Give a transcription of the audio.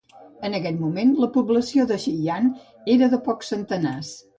En aquest moment, la població de Shiyan era de pocs centenars.